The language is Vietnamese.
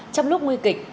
trong lúc nguy kịch